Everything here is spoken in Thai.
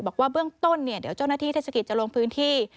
บอกว่าเบื้องต้นเนี่ยเดี๋ยวเจ้าหน้าที่เทศกิจจะลงพื้นที่